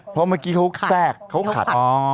เพราะเมื่อกี้เขาแทรกเขาขัด